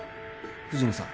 藤野さん